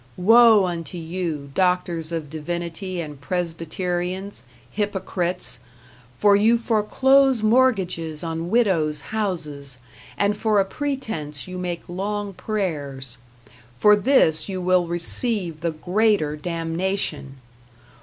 Woe unto you, doctors of divinity and Presbyterians, hypocrites! for you foreclose mortgages on widows' houses, and for a pretense you make long prayers. For this you will receive the greater damnation!